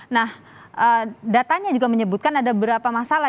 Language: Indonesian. nah datanya juga menyebutkan ada beberapa masalah